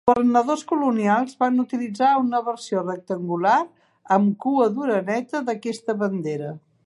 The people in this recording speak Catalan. Els governadors colonials van utilitzar una versió rectangular amb cua d'oreneta d'aquesta bandera.